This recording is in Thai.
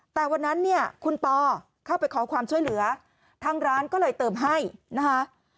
แต่วันนั้นเนี่ยคุณปอเข้าไปขอความช่วยเหลือทางร้านก็เลยเติมให้นะคะ